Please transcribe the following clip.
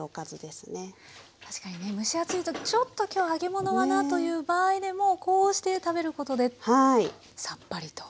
確かにね蒸し暑いとちょっと今日揚げ物はなという場合でもこうして食べることでさっぱりと。